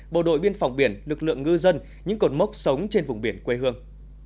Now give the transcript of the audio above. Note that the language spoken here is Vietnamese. bộ đội biên phòng biển lực lượng ngư dân những cột mốc sống trên vùng biển quê hương